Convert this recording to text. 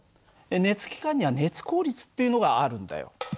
熱機関には熱効率っていうのがあるんだよ。